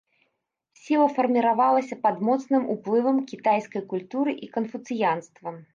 Сіла фарміравалася пад моцным уплывам кітайскай культуры і канфуцыянства.